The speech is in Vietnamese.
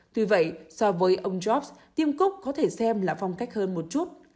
tuy vậy so với ông jobs tiêm cúc có thể xem là phong cách hơn một chút